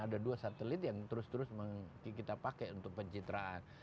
ada dua satelit yang terus terus kita pakai untuk pencitraan